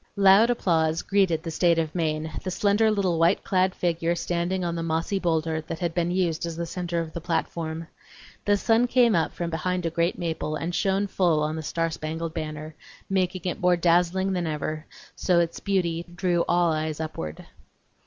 Loud applause greeted the state of Maine, the slender little white clad figure standing on the mossy boulder that had been used as the centre of the platform. The sun came up from behind a great maple and shone full on the star spangled banner, making it more dazzling than ever, so that its beauty drew all eyes upward.